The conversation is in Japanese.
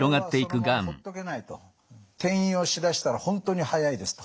転移をしだしたら本当に速いですと。